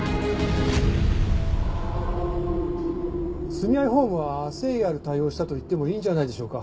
住愛ホームは誠意ある対応をしたといってもいいんじゃないでしょうか？